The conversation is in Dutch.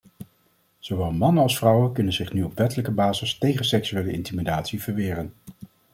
Zowel mannen als vrouwen kunnen zich nu op wettelijke basis tegen seksuele intimidatie verweren.